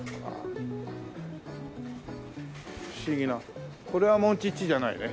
不思議なこれはモンチッチじゃないね。